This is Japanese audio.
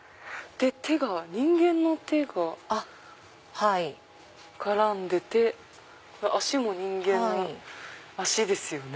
手が人間の手が絡んでて脚も人間の脚ですよね。